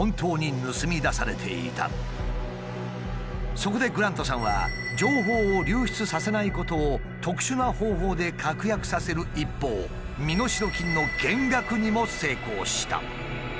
そこでグラントさんは情報を流出させないことを特殊な方法で確約させる一方身代金の減額にも成功した。